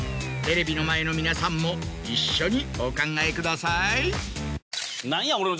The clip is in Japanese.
テレビの前の皆さんも一緒にお考えください。